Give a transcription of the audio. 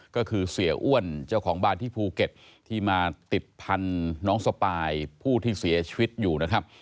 ก็คือเสียอ้วนเจ้าของบ้านที่ภูเก็ตที่มาติดพันธุ์น้องสปายผู้ที่เสียชีวิตอยู่นะครับ